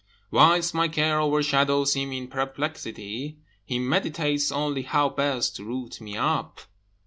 Whilst my care overshadows him in perplexity, He meditates only how best to root me up."